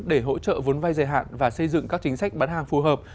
để hỗ trợ vốn vay dài hạn và xây dựng các chính sách bán hàng phù hợp